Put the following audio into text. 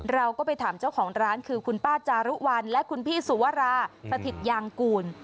เราก็ไปถามเจ้าของร้านคือคุณป้าจารุวันและคุณพี่สุวราสถิตยางกูล